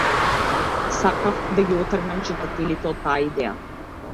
Сакаав да ги оттргнам читателите од таа идеја.